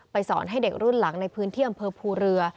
สอนให้เด็กรุ่นหลังในพื้นที่อำเภอภูเรือ